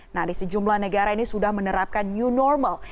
nah di sejumlah negara ini sudah menerapkan new normal